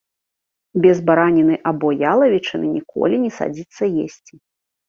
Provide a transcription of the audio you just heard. Без бараніны альбо ялавічыны ніколі не садзіцца есці.